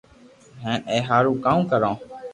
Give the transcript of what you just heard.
ھين اي ھارون ڪاو ڪرو